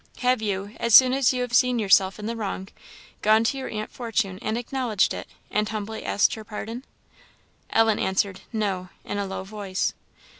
Have you, as soon as you have seen yourself in the wrong, gone to your aunt Fortune and acknowledged it, and humbly asked her pardon?" Ellen answered "No" in a low voice.